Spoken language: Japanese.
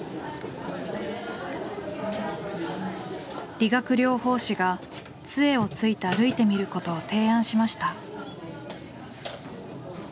理学療法士が杖をついて歩いてみることを提案しました。